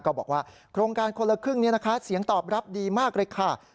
บอกว่าโครงการคนละครึ่งนี้นะคะเสียงตอบรับดีมากเลยค่ะ